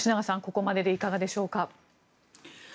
ここまででいかがでしょうか。